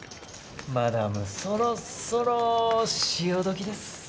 マダムそろそろ潮時です。